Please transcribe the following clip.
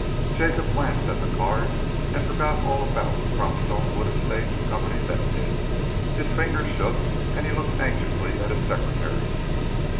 Jacob glanced at the card and forgot all about the Cropstone Wood Estates Company, Limited. His fingers shook, and he looked anxiously at his secretary.